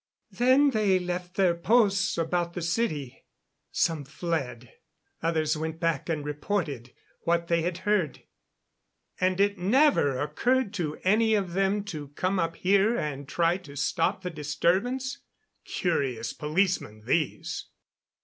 "Then they left their posts about the city. Some fled; others went back and reported what they had heard." "And it never occurred to any of them to come up here and try to stop the disturbance? Curious policemen, these!"